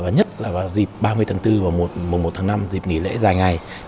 nhất là vào dịp ba mươi tháng bốn và mùa một tháng năm dịp nghỉ lễ dài ngày